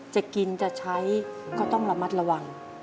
จะกินจะใช้ก็ต้องระมัดระวัง